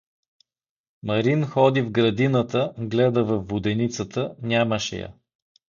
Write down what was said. Марин ходи в градината, гледа във воденицата — нямаше я.